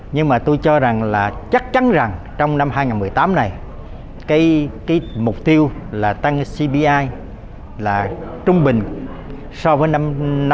nhưng mà tôi cho rằng là chắc chắn rằng trong năm hai nghìn một mươi tám này cái mục tiêu là tăng cbi là trung bình so với năm hai nghìn một mươi bảy